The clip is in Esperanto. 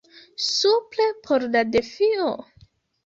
Supre por la defio?